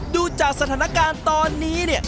ดูจากสถานการณ์ตอนนี้เนี่ย